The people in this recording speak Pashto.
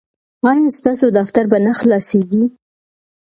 ایا ستاسو دفتر به نه خلاصیږي؟